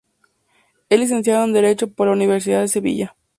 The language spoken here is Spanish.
Es licenciado en Derecho por la Universidad de Sevilla.